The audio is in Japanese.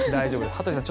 羽鳥さん